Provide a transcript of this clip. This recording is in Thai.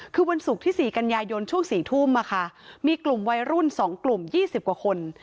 คือวันศุกร์ที่สี่กัญญายนช่วงสี่ทุ่มอ่ะค่ะมีกลุ่มวัยรุ่นสองกลุ่มยี่สิบกว่าคน